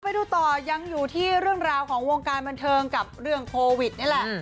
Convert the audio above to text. ไปดูต่อยังอยู่ที่เรื่องราวของวงการบันเทิงกับเรื่องโควิดนี่แหละ